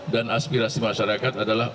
dan aspirasi masyarakat adalah